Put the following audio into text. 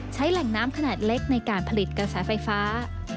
ใช้แหล่งน้ำขนาดเล็กในการผลิตกระแสไฟฟ้า